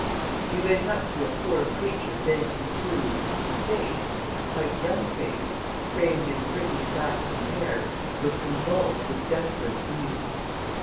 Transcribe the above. He went up to a poor creature bent in two whose face, a quite young face, framed in pretty, flaxen hair, was convulsed with desperate grief.